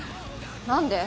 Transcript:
何で？